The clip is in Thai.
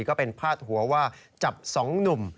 ก็เป็นพาดหัวว่าจับ๒หนุ่ม